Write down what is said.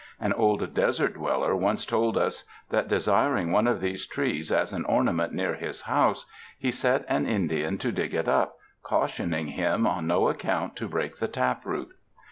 An old desert dweller once told us that, desiring one of these trees as an ornament near his house, he set an Indian to dig it up, cautioning him on no account to break the tap root.